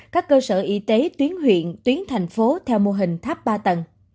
các cơ sở y tế tuyến huyện tuyến thành phố theo mô hình tháp ba tầng